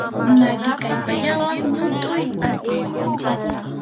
Maki kallpallawan ñutʼuy atiy.